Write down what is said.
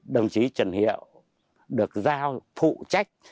đồng chí trần hiệu được giao phụ trách